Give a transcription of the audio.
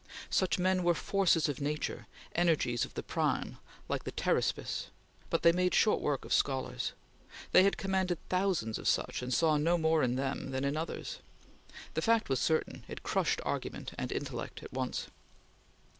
Such men were forces of nature, energies of the prime, like the Pteraspis, but they made short work of scholars. They had commanded thousands of such and saw no more in them than in others. The fact was certain; it crushed argument and intellect at once.